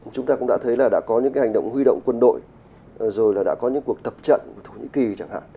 chúng ta cũng đã thấy là đã có những hành động huy động quân đội rồi là đã có những cuộc tập trận của thổ nhĩ kỳ chẳng hạn